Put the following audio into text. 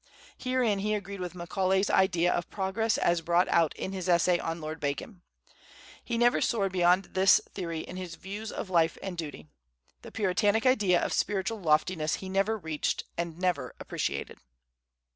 Herein he agreed with Macaulay's idea of progress as brought out in his essay on Lord Bacon. He never soared beyond this theory in his views of life and duty. The Puritanic idea of spiritual loftiness he never reached and never appreciated.